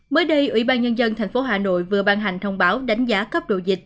mới đây ủy ban nhân dân tp hà nội vừa ban hành thông báo đánh giá cấp độ dịch